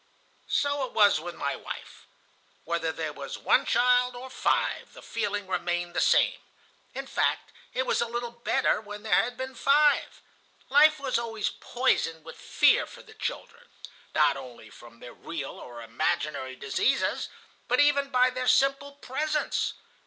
"So it was with my wife. Whether there was one child or five, the feeling remained the same. In fact, it was a little better when there had been five. Life was always poisoned with fear for the children, not only from their real or imaginary diseases, but even by their simple presence.